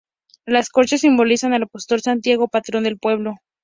Las conchas simbolizan al Apóstol Santiago, Patrón del Pueblo.